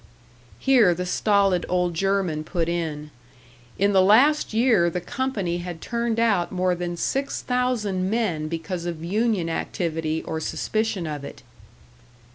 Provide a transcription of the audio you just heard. Here the stolid old German put in. In the last year the company had turned out more than six thousand men because of union activity or suspicion of it.